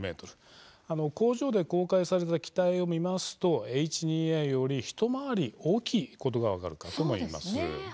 工場で公開された機体を見ますとＨ２Ａより、一回り大きいことが分かるかと思います。